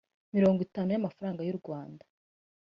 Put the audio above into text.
mirongo itanu by amafaranga y u rwanda